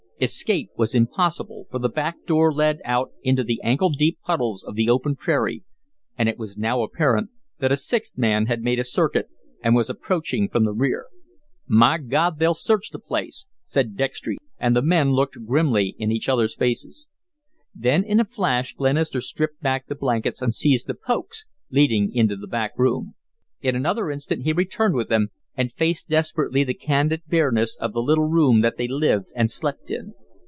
Escape was impossible, for the back door led out into the ankle deep puddles of the open prairie; and it was now apparent that a sixth man had made a circuit and was approaching from the rear. "My God! They'll search the place," said Dextry, and the men looked grimly in each other's faces. Then in a flash Glenister stripped back the blankets and seized the "pokes," leaping into the back room. In another instant he returned with them and faced desperately the candid bareness of the little room that they lived and slept in.